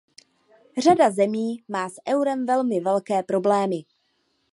Řada zemí má s eurem velmi velké problémy.